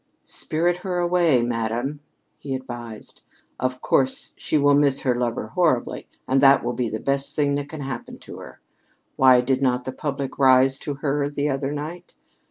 "Spirit her away, madam," he advised. "Of course she will miss her lover horribly, and that will be the best thing that can happen to her. Why did not the public rise to her the other night?